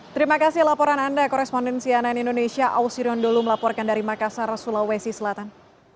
terima kasih laporan anda korespondensi ann indonesia ausirion dholu melaporkan dari makassar sulawesi selatan